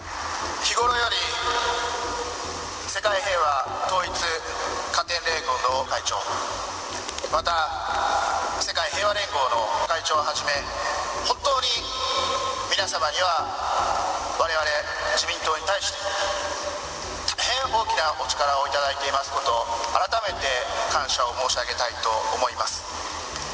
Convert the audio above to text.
日頃より世界平和統一家庭連合の会長、また、世界平和連合の会長をはじめ、本当に皆様にはわれわれ自民党に対して、大変大きなお力を頂いていますことを改めて感謝を申し上げたいと思います。